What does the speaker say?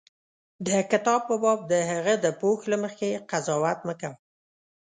د کتاب په باب د هغه د پوښ له مخې قضاوت مه کوه.